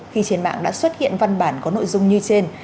khi trên mạng đã xuất hiện văn bản có nội dung như trên